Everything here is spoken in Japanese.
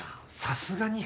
さすがに。